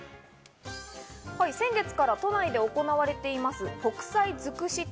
先月から都内で行われています、北斎づくし展。